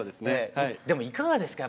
でもいかがですか？